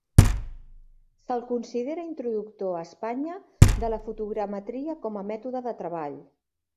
Se'l considera introductor a Espanya de la fotogrametria com a mètode de treball.